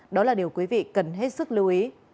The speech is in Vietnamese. đó là điều quý vị cần hết sức lưu ý